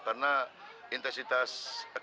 karena intensitas banjir